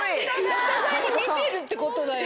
お互いに見てるってことだよね？